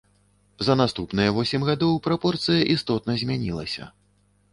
За наступныя восем гадоў прапорцыя істотна змянілася.